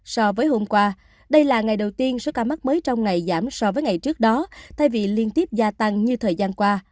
so với hôm qua đây là ngày đầu tiên số ca mắc mới trong ngày giảm so với ngày trước đó thay vì liên tiếp gia tăng như thời gian qua